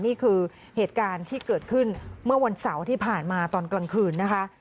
นี่คือเหตุการณ์ที่เกิดขึ้นเมื่อวันเสาร์ที่ผ่านมาตอนกลางคืนนะคะ